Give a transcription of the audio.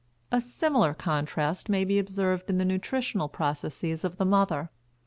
A similar contrast may be observed in the nutritional processes of the mother.